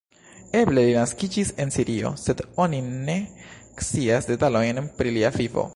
Eble li naskiĝis en Sirio, sed oni ne scias detalojn pri lia vivo.